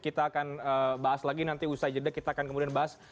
kita akan bahas lagi nanti usai jeda kita akan kemudian bahas